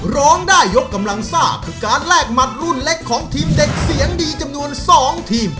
ร้องได้ยกกำลังซ่าคือการแลกหมัดรุ่นเล็กของทีมเด็กเสียงดีจำนวน๒ทีม